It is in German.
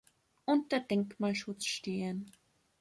Unter Denkmalschutz stehen